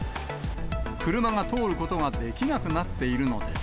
車が通ることができなくなっているのです。